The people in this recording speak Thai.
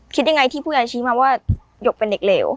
คิดยังไงที่ผู้ใหญ่ชี้มาว่าหยกเป็นเด็กเหลว